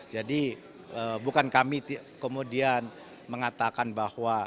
jadi bukan kami kemudian mengatakan bahwa